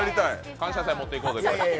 「感謝祭」持っていこう。